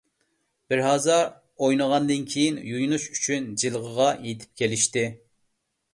بىرھازا ئوينىغاندىن كېيىن، يۇيۇنۇش ئۈچۈن جىلغىغا يېتىپ كېلىشتى.